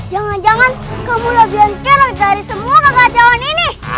jangan jangan kamu lebih yang keren dari semua kagak jawan ini